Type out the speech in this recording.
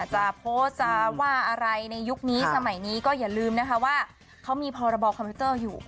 จะโพสต์จะว่าอะไรในยุคนี้สมัยนี้ก็อย่าลืมนะคะว่าเขามีพรบคอมพิวเตอร์อยู่